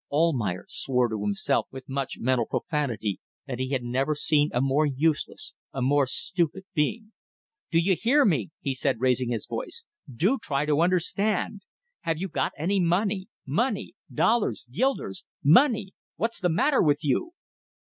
Almayer swore to himself with much mental profanity that he had never seen a more useless, a more stupid being. "D'ye hear me?" he said, raising his voice. "Do try to understand. Have you any money? Money. Dollars. Guilders. Money! What's the matter with you?"